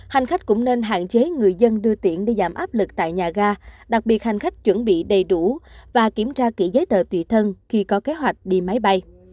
hành khách cũng nên hạn chế người dân đưa tiện để giảm áp lực tại nhà ga đặc biệt hành khách chuẩn bị đầy đủ và kiểm tra kỹ giấy tờ tùy thân khi có kế hoạch đi máy bay